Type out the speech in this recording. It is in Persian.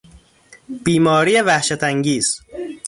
بیماری وحشتانگیز